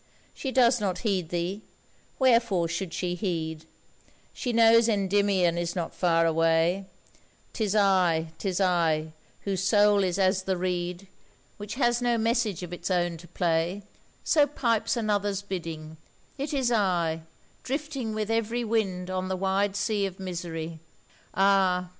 She does not heed thee, wherefore should she heed, She knows Endymion is not far away; 'Tis I, 'tis I, whose soul is as the reed Which has no message of its own to play, So pipes another's bidding, it is I, Drifting with every wind on the wide sea of misery. Ah!